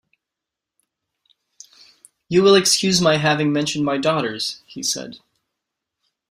"You will excuse my having mentioned my daughters," he said.